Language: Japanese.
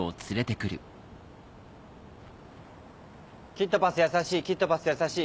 キットパスやさしいキットパスやさしい。